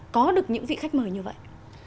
có được những vị khách mời như vậy